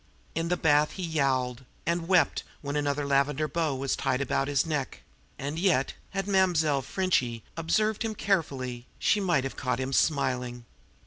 In the bath he yowled; and wept when another lavender bow was tied about his neck; and yet, had Mlle. Frenchy observed him carefully, she might have caught him smiling.